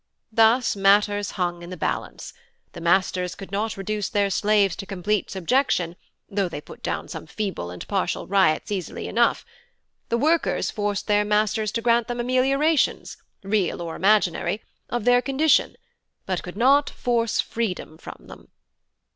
Thus matters hung in the balance; the masters could not reduce their slaves to complete subjection, though they put down some feeble and partial riots easily enough. The workers forced their masters to grant them ameliorations, real or imaginary, of their condition, but could not force freedom from them.